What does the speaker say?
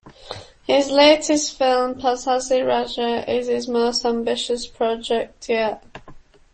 His latest film, "Pazhassi Raja", is his most ambitious project yet.